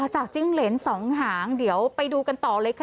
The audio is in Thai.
จิ้งเหรนสองหางเดี๋ยวไปดูกันต่อเลยค่ะ